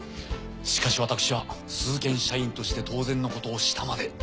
しかし私は鈴建社員として当然のことをしたまで。